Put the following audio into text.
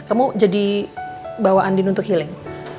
kamu jadi bawa andin untuk healing